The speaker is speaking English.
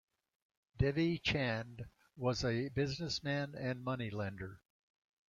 Devi Chand was a businessman and money lender.